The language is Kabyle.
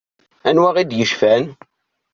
Anwa i d-yecfan?